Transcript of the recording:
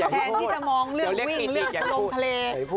แทนที่จะมองเรื่องวิ่งเรื่องลงทะเล